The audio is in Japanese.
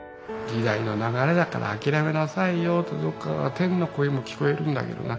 時代の流れだから諦めなさいよとどっかから天の声も聞こえるんだけどな